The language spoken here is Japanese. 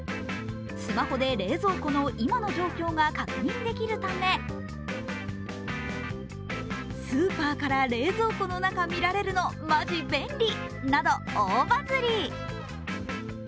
スマホで冷蔵庫の今の状況が確認できるためスーパーから冷蔵庫の中見られるのマジ便利など大バズリ。